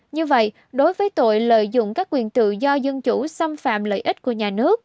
như vậy đối với tội lợi dụng các quyền tự do dân chủ xâm phạm lợi ích của nhà nước